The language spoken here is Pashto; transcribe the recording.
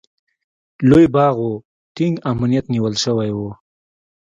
لوی باغ و، ټینګ امنیت نیول شوی و.